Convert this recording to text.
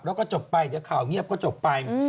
แล้วก็จบไปเดี๋ยวข่าวเงียบก็จบไป